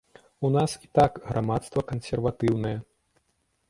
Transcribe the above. У нас і так грамадства кансерватыўнае.